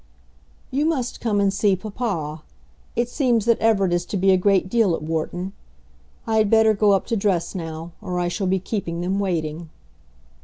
"You must come and see papa. It seems that Everett is to be a great deal at Wharton. I had better go up to dress now, or I shall be keeping them waiting."